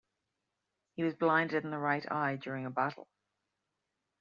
He was blinded in the right eye during a battle.